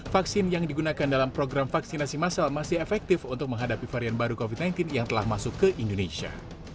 vaksin yang digunakan dalam program vaksinasi masal masih efektif untuk menghadapi varian baru covid sembilan belas yang telah masuk ke indonesia